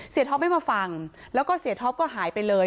ท็อปไม่มาฟังแล้วก็เสียท็อปก็หายไปเลย